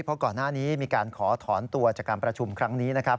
เพราะก่อนหน้านี้มีการขอถอนตัวจากการประชุมครั้งนี้นะครับ